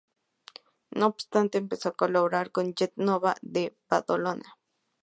No obstante, empezó a colaborar con "Gent Nova" de Badalona.